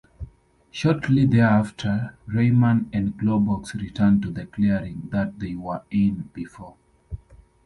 Shortly thereafter, Rayman and Globox return to the clearing that they were in before.